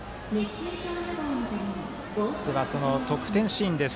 得点シーンです。